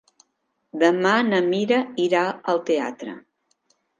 Demà na Mira irà al teatre.